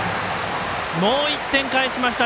もう１点返しました。